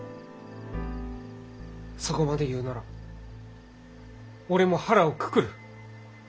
そこまで言うなら俺も腹をくくる。